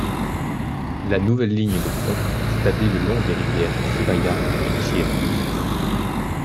La nouvelle ligne de front s'établit le long des rivière Krivaïa et Tchir.